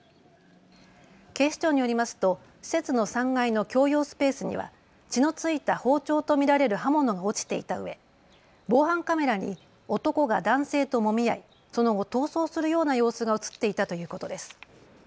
警視庁によりますと施設の３階の共用スペースには血の付いた包丁と見られる刃物が落ちていたうえ防犯カメラに男が男性ともみ合いその後、逃走するような様子が写っていたということです。